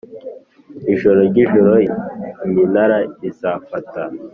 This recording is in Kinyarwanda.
ijoro ryijoro iminara izafata